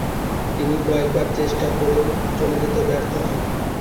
তিনি কয়েকবার চেষ্টা করেও চলে যেতে ব্যর্থ হন।